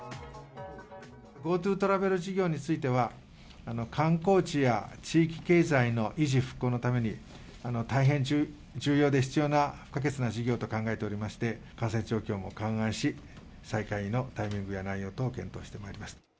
ＧｏＴｏトラベル事業については、観光地や地域経済の維持復興のために、大変重要で必要な不可欠な事業と考えておりまして、感染状況も勘案し、再開のタイミングや内容等を検討してまいります。